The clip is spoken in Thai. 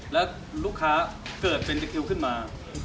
และลูกค้าเกิดกินได้มา